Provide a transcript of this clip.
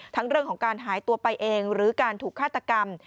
เรื่องของการหายตัวไปเองหรือการถูกฆาตกรรม